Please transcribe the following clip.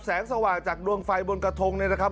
สว่างจากดวงไฟบนกระทงเนี่ยนะครับ